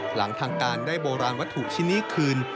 หลังทางการได้โบราณวัตถุชิ้นนี้คืน